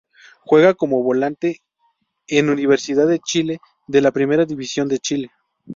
Juega como Volante en Universidad de Chile de la Primera División de Chile.